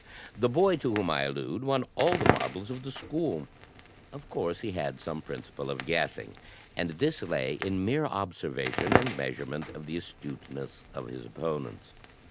The boy to whom I allude won all the marbles of the s^ool. Of course he had some principle of guessing; and this lay in mere observation and admeasurement of the astuteness of his opponents.